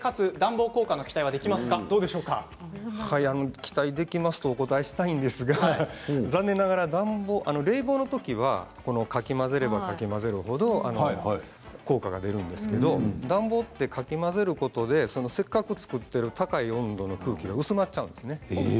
期待できるとお答えしたいんですが残念ながら冷房の時はかき混ぜればかき混ぜる程効果が出るんですが暖房は、かき混ぜることでせっかく作っている高い温度の空気が薄まってしまうんです。